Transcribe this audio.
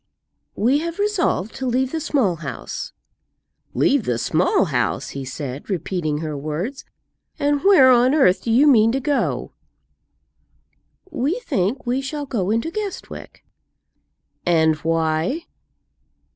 "We have resolved to leave the Small House." "Leave the Small House!" he said, repeating her words; "and where on earth do you mean to go?" "We think we shall go into Guestwick." "And why?"